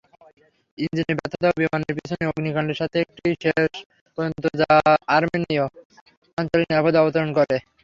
ইঞ্জিনের ব্যর্থতা ও বিমানের পিছনে অগ্নিকাণ্ডের সাথে এটি শেষ পর্যন্ত আর্মেনিয় অঞ্চলে নিরাপদে অবতরণ করে।